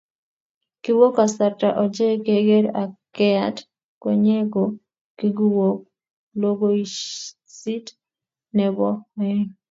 kiwoo kasarta ochei keker ak keyaat konyee ko kukuwook likosoit ne bo oeng